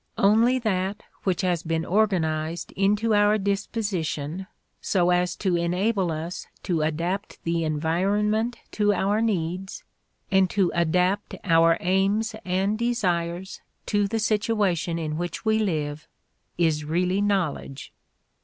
Only that which has been organized into our disposition so as to enable us to adapt the environment to our needs and to adapt our aims and desires to the situation in which we live is really knowledge.